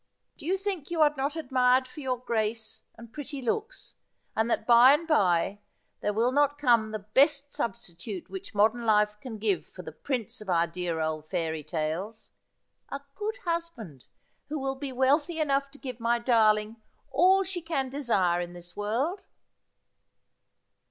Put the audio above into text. Do you think you are not admired for your grace and pretty looks, and that by and by there will not come the best substitute which modern life can give for the prince of our dear old fairy tales — a good husband, who will 48 Asphodel. be wealthy enough to give my darling all she can desire in this world?'